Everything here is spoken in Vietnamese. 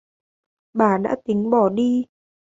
Bà đã tính bỏ đi